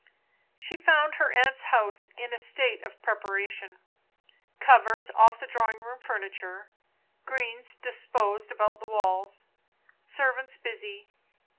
She found her aunt's house in a state of preparation; covers off the drawing room furniture, greens disposed about the walls, servants busy.